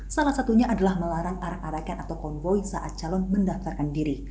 salah satunya adalah melarang arak arakan atau konvoy saat calon mendaftarkan diri